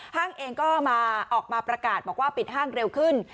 ห้างเองก็ออกมาประกาศบอกว่าปิดห้างเร็วขึ้น